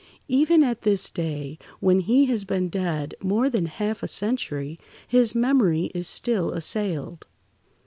Even at this day, when he has been dead more than half a century, his memory is still assailed.